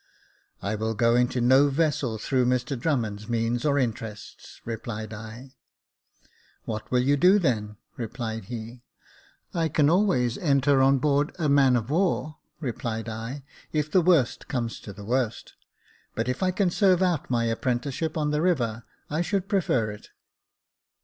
"I will go into no vessel through Mr Drummond's means or interests," replied I. *' What will you do then ?" replied he. " I can always enter on board a man of war," replied I, if the worst comes to the worst ; but if I can serve out my apprenticeship on the river, I should prefer it."